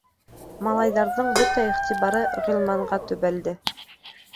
Малайҙарҙың бөтә иғтибары Ғилманға төбәлде.